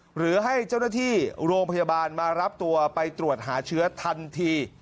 หรือให้เจ้าหน้าที่โรงพยาบาลมารับตัวไปตรวจหาเชื้อทันที